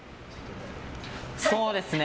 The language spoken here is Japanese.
そうですね。